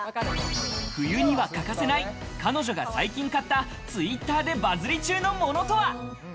冬には欠かせない、彼女が最近買った、Ｔｗｉｔｔｅｒでバズり中のものとは？